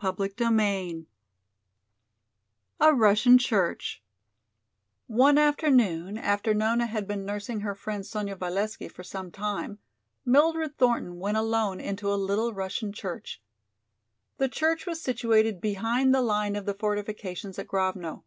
CHAPTER VII A Russian Church One afternoon, after Nona had been nursing her friend, Sonya Valesky, for some time, Mildred Thornton went alone into a little Russian church. The church was situated behind the line of the fortifications at Grovno.